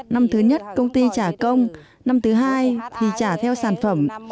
năm thứ nhất công ty trả công năm thứ hai thì trả theo sản phẩm